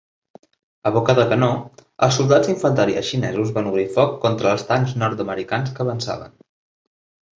A boca de canó, els soldats d'infanteria xinesos van obrir foc contra els tancs nord-americans que avançaven.